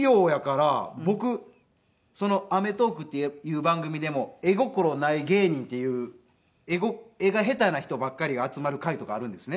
僕『アメトーーク！』っていう番組でも絵心ない芸人っていう絵が下手な人ばっかりが集まる回とかあるんですね。